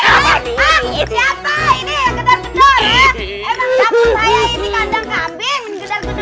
siapa ini yang gedar gedor ya